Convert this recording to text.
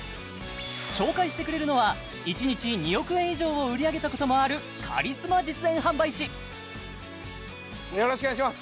紹介してくれるのは１日２億円以上を売り上げたこともあるカリスマ実演販売士よろしくお願いします